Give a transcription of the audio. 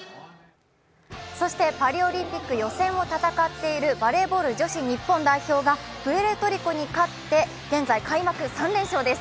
そしてパリオリンピック予選を戦っているバレーボール女子日本代表がプエルトリコに勝って現在開幕３連勝です。